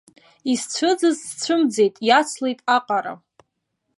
Исцәыӡыз сцәымӡит, иацлеит аҟара.